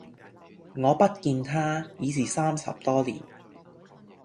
我不見他，已是三十多年；